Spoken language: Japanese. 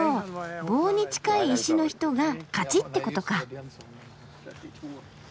棒に近い石の人が勝ちってことか。